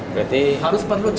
berarti yang disampaikan irma salah